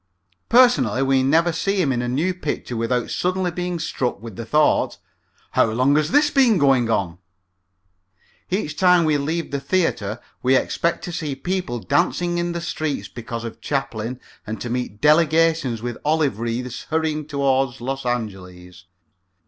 Personally we never see him in a new picture without suddenly being struck with the thought, "How long has this been going on?" Each time we leave the theater we expect to see people dancing in the streets because of Chaplin and to meet delegations with olive wreaths hurrying toward Los Angeles.